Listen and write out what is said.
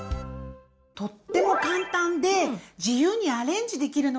とっても簡単で自由にアレンジできるのがいいよね！